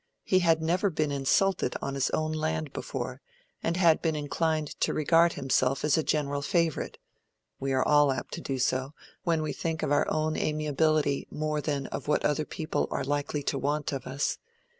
He had never been insulted on his own land before, and had been inclined to regard himself as a general favorite (we are all apt to do so, when we think of our own amiability more than of what other people are likely to want of us).